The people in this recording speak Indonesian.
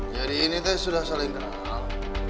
jadi ini teh sudah saling kenal